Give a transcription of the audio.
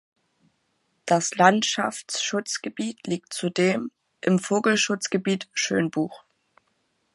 Das Landschaftsschutzgebiet liegt zudem im Vogelschutzgebiet Schönbuch.